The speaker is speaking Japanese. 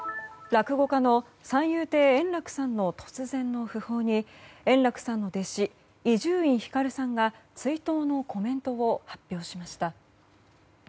落語家の三遊亭円楽さんの突然の訃報に円楽さんの弟子伊集院光さんが追悼のコメントを発表しました。